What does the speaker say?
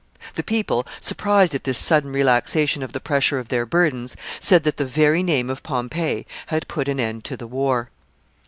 The people, surprised at this sudden relaxation of the pressure of their burdens, said that the very name of Pompey had put an end to the war.